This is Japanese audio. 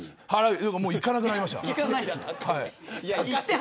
行かなくなりました。